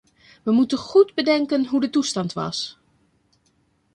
We moeten goed bedenken hoe de toestand was.